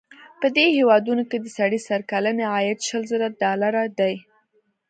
په دې هېوادونو کې د سړي سر کلنی عاید شل زره ډالره دی.